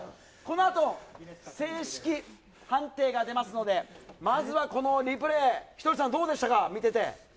このあと、正式判定が出ますので、まずはこのリプレイ、ひとりさん、どうでしたか、見てて。